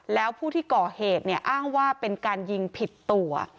แล้วผู้ที่ก่อเหตุเนี่ยอ้างว่าเป็นการยิงผิดตัว